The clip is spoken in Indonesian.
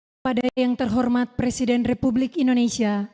kepada yang terhormat presiden republik indonesia